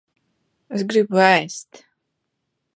Es gribu ēst.